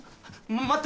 待って！